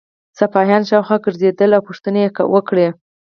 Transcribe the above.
سپاهیان شاوخوا ګرځېدل او پوښتنې یې وکړې.